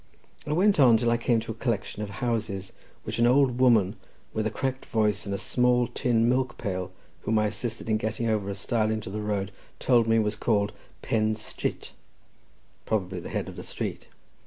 I went on till I came to a collection of houses which an old woman, with a cracked voice and a small tin milk pail, whom I assisted in getting over a stile into the road, told me was called Pen Strit—probably the head of the street.